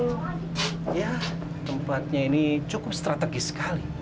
ya tempatnya ini cukup strategis sekali